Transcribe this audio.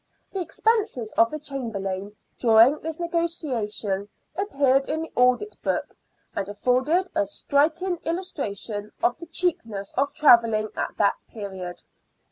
The expenses of the Chamberlain during this negotiation appear in the audit book, and afford a striking illustration of the cheapness of travelling at that period.